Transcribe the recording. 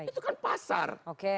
itu kan pasar